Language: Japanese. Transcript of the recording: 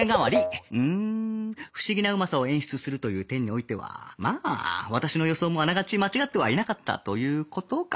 うん不思議なうまさを演出するという点においてはまあ私の予想もあながち間違ってはいなかったという事か。